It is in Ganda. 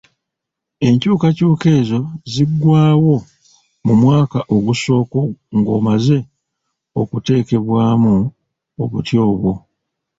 Enkyukakyuka ezo ziggwaawo mu mwaka ogusooka ng'omaze okuteekebwamu obuti obwo.